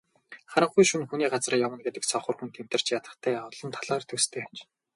Харанхуй шөнө хүний газар явна гэдэг сохор хүн тэмтэрч ядахтай олон талаар төстэй аж.